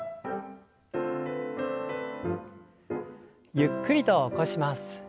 ゆっくりと起こします。